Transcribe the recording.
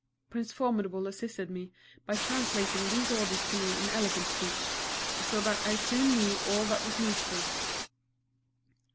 _" Prince Formidable assisted me by translating these orders to me in elephant speech, so that I soon knew all that was needful.